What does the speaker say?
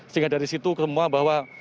sehingga dari situ semua bahwa